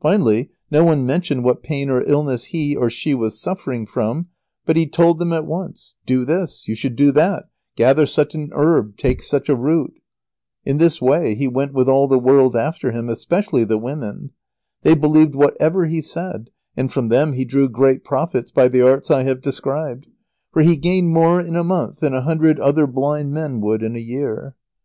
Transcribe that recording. Finally, no one mentioned what pain or illness he or she was suffering from, but he told them at once do this, you should do that, gather such a herb, take such a root. In this way he went with all the world after him, especially the women. They believed whatever he said, and from them he drew great profits by the arts I have described, for he gained more in a month than a hundred other blind men would in a year.